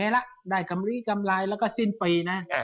ปีนี้ก็เลยดี